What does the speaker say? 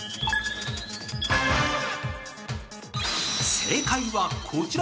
正解はこちら。